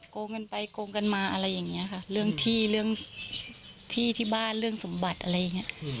โกงกันไปโกงกันมาอะไรอย่างนี้ค่ะเรื่องที่เรื่องที่ที่บ้านเรื่องสมบัติอะไรอย่างเงี้ย